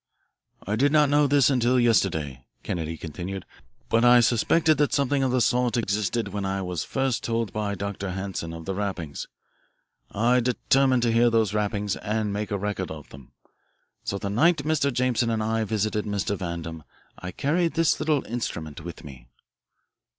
"I did not know this until yesterday," Kennedy continued, "but I suspected that something of the sort existed when I was first told by Dr. Hanson of the rappings. I determined to hear those rappings, and make a record of them. So, the night Mr. Jameson and I visited Mr. Vandam, I carried this little instrument with me."